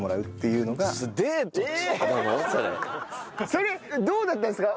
それどうだったんですか？